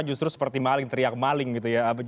justru seperti maling teriak maling gitu ya